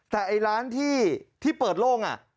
แต่ไอ้ร้านที่เปิดโล่ง